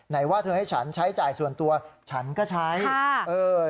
ไหนว่าเธอให้ฉันใช้จ่ายส่วนตัวฉันก็ใช้